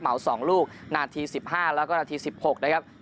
๒ลูกนาที๑๕แล้วก็นาที๑๖นะครับ